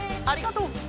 ありがとう！